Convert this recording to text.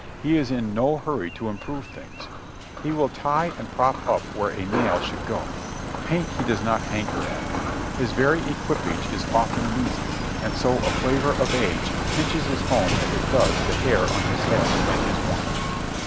Fie is in no hurry to improve things ; he will tie and prop up where a nail should go ; paint he does not hanker after ; his very equipage is often wheezy, and so a flavor of age tinges his home as it does the hair on his head and his wine.